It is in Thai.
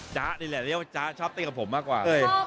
จ๊ะนี่แหละจ๊ะชอบเต้นกับผมมากกว่า